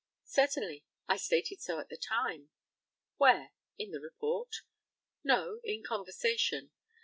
Certainly; I stated so at the time. Where? In the report? No; in conversation.